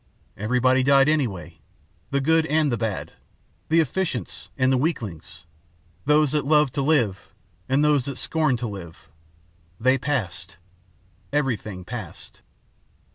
Everybody died anyway, the good and the bad, the efficients and the weaklings, those that loved to live and those that scorned to live. They passed. Everything passed.